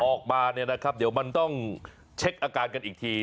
ออกมาเนี่ยนะครับเดี๋ยวมันต้องเช็คอาการกันอีกที